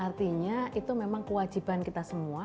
artinya itu memang kewajiban kita semua